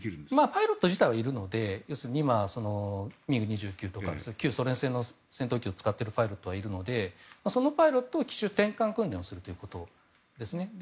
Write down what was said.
パイロット自体はいるので今、ＭｉＧ２９とか旧ソ連製の戦闘機を使っているパイロットがいるのでそのパイロットを機種転換訓練するということですね。